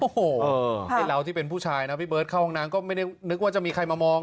โอ้โหไอ้เราที่เป็นผู้ชายนะพี่เบิร์ตเข้าห้องน้ำก็ไม่ได้นึกว่าจะมีใครมามอง